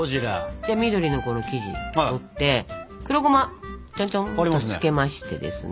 じゃあ緑のこの生地取って黒ゴマちょんちょんとつけましてですね。